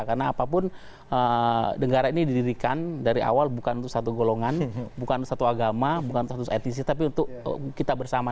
karena apapun negara ini didirikan dari awal bukan untuk satu golongan bukan satu agama bukan satu etnisi tapi untuk kita bersama